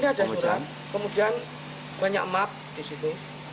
ini ada surat kemudian banyak map di situ